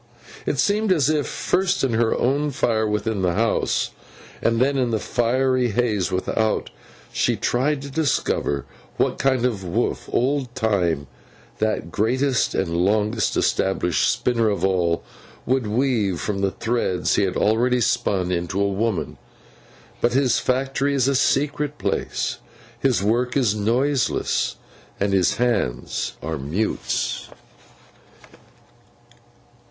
It seemed as if, first in her own fire within the house, and then in the fiery haze without, she tried to discover what kind of woof Old Time, that greatest and longest established Spinner of all, would weave from the threads he had already spun into a woman. But his factory is a secret place, his work is noiseless, and his Hands are mutes.